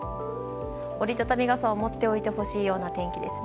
折り畳み傘を持っておいてほしい天気です。